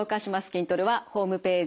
筋トレはホームページ